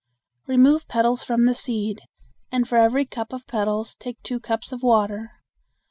Remove petals from the seed, and for every cup of petals take two cups of water.